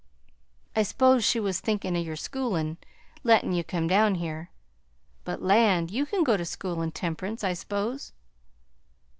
"I s'pose she was thinkin' o' your schoolin', lettin' you come down here; but land! you can go to school in Temperance, I s'pose?"